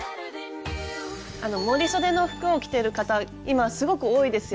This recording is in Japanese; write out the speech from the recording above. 「盛りそで」の服を着ている方今すごく多いですよね。